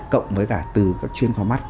cộng với cả từ các chuyên kho mắt